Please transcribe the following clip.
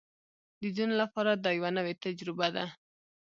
د ځینو لپاره دا یوه نوې تجربه ده